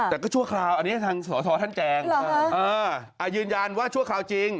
แต่ก็ชั่วคราวอันนี้ทางสอทรท่านแจงยืนยันว่าชั่วคราวจริง